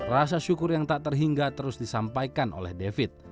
rasa syukur yang tak terhingga terus disampaikan oleh david